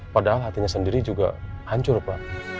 padahal hatinya sendiri juga hancur pak